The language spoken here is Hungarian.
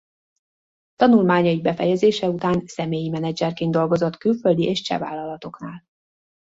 Tanulmányai befejezése után személyi menedzserként dolgozott külföldi és cseh vállalatoknál.